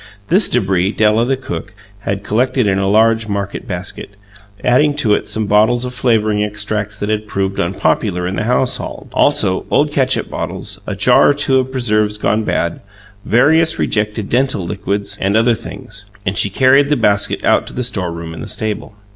This debris Della, the cook, had collected in a large market basket, adding to it some bottles of flavouring extracts that had proved unpopular in the household; also, old catsup bottles; a jar or two of preserves gone bad; various rejected dental liquids and other things. And she carried the basket out to the storeroom in the stable.